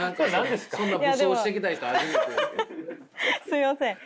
すみません。